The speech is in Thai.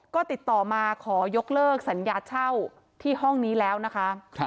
ก็ติดต่อมาขอยกเลิกสัญญาเช่าที่ห้องนี้แล้วนะคะ